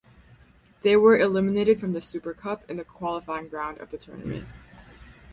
They were eliminated from the Super Cup in the qualifying round of the tournament.